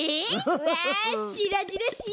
うわしらじらしい！